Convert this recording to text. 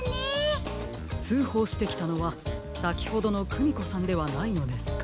つうほうしてきたのはさきほどのクミコさんではないのですか？